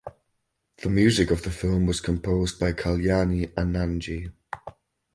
The music of the film was composed by Kalyanji Anandji.